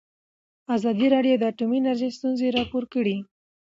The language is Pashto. ازادي راډیو د اټومي انرژي ستونزې راپور کړي.